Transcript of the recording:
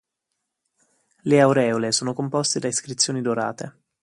Le aureole sono composte da iscrizioni dorate.